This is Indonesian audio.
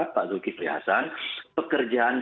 pak zulkifli hasan pekerjaan